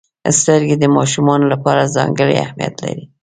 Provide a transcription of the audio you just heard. • سترګې د ماشومانو لپاره ځانګړې اهمیت لري.